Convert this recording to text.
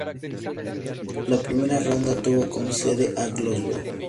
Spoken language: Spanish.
La primera ronda tuvo como sede a Glasgow.